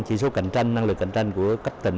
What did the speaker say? chỉ số năng lực cạnh tranh của các tỉnh